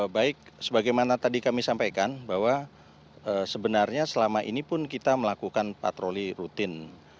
baik sebagaimana tadi kami sampaikan bahwa sebenarnya selama ini pun kita melakukan patroli rutin